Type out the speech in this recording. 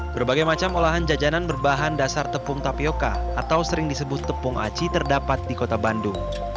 berbagai macam olahan jajanan berbahan dasar tepung tapioca atau sering disebut tepung aci terdapat di kota bandung